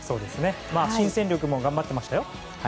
新戦力も頑張ってましたよ。